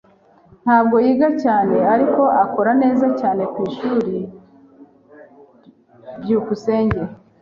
Ntabwo yiga cyane, ariko akora neza cyane kwishuri. byukusenge